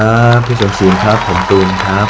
แล้ววันนี้ผมมีสิ่งหนึ่งนะครับเป็นตัวแทนกำลังใจจากผมเล็กน้อยครับ